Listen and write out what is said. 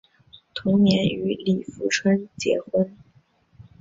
同年与李富春结婚。